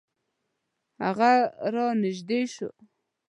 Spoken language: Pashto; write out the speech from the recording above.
هغه را نژدې شو .